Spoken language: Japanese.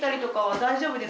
大丈夫です。